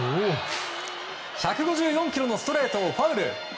１５４キロのストレートをファウル。